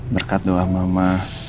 berkat doa mama